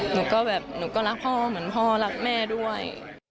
หนูก็แบบหนูก็รักพ่อเหมือนพ่อรักแม่ด้วย